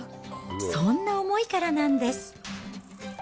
そんな思いからなんです。